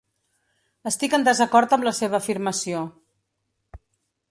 Estic en desacord amb la seva afirmació.